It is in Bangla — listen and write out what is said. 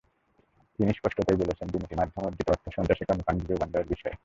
তিনি স্পষ্টতই বলেছেন, দুর্নীতির মাধ্যমে অর্জিত অর্থ সন্ত্রাসী কর্মকাণ্ডে জোগান দেওয়ার বিষয়ে।